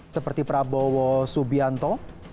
seperti prabowo subianto